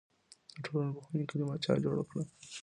د ټولنپوهنې کلمه چا جوړه کړه؟